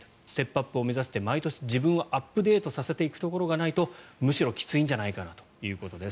ステップアップを目指して毎年自分をアップデートさせていくところがないとむしろきついんじゃないかなと。